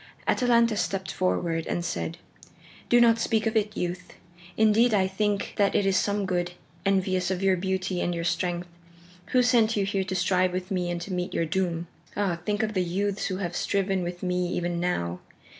Atalanta stepped forward and said: "Do not speak of it, youth. Indeed I think that it is some god, envious of your beauty and your strength, who sent you here to strive with me and to meet your doom. Ah, think of the youths who have striven with me even now!